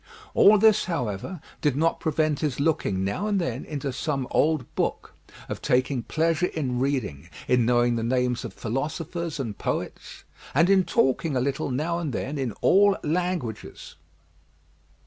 All this, however, did not prevent his looking now and then into some old book; of taking pleasure in reading, in knowing the names of philosophers and poets, and in talking a little now and then in all languages.